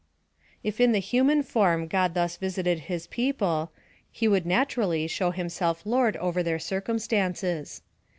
If in the human form God thus visited his people, he would naturally show himself Lord over their circumstances.